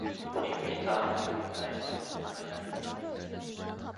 He meets up with the guy storing the kayak in his shed.